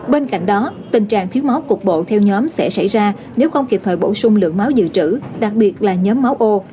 bên cạnh đó tình trạng thiếu máu cục bộ theo nhóm sẽ xảy ra nếu không kịp thời bổ sung lượng máu dự trữ đặc biệt là nhóm máu ô